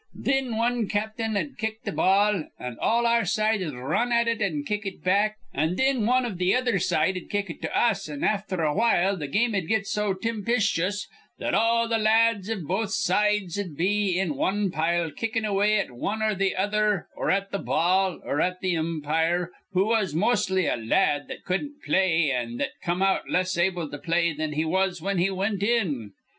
Thin wan cap'n'd kick th' ball, an' all our side'd r run at it an' kick it back; an' thin wan iv th' other side'd kick it to us, an' afther awhile th' game'd get so timpischous that all th' la ads iv both sides'd be in wan pile, kickin' away at wan or th' other or at th' ball or at th' impire, who was mos'ly a la ad that cudden't play an' that come out less able to play thin he was whin he wint in.